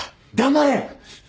黙れ！